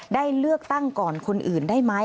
ได้เลือกตั้งก่อนคนอื่นได้ไหม